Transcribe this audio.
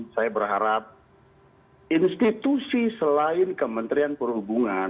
saya berharap institusi selain kementerian perhubungan